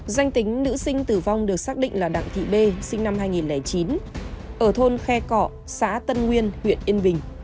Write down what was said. danh tính nữ sinh tử vong được xác định là đặng thị b sinh năm hai nghìn chín ở thôn khe cọ xã tân nguyên huyện yên bình